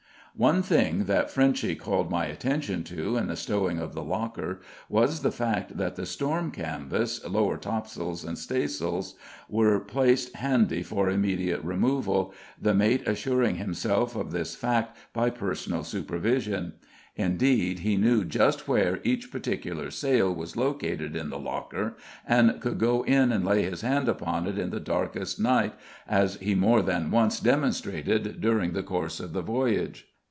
One thing that Frenchy called my attention to in the stowing of the locker was the fact that the storm canvas, lower tops'ls and stays'ls, were placed handy for immediate removal, the mate assuring himself of this fact by personal supervision; indeed he knew just where each particular sail was located in the locker, and could go in and lay his hand upon it in the darkest night, as he more than once demonstrated during the course of the voyage.